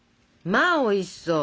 まあおいしそう！